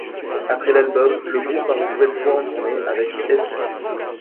Après l'album, le groupe part une nouvelle fois en tournée, avec Edguy.